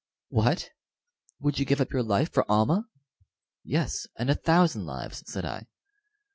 "What! would you give up your life for Almah?" "Yes, and a thousand lives," said I.